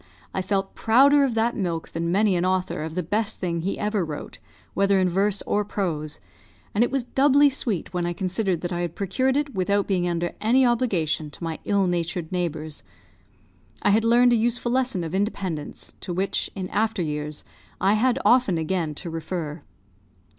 I felt prouder of that milk than many an author of the best thing he ever wrote, whether in verse or prose; and it was doubly sweet when I considered that I had procured it without being under any obligation to my ill natured neighbours. I had learned a useful lesson of independence, to which, in after years, I had often again to refer.